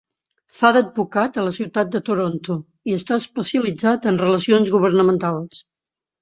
Fa d'advocat a la ciutat de Toronto i està especialitzat en relacions governamentals.